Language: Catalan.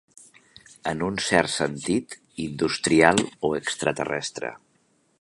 En un cert sentit, industrial o extraterrestre.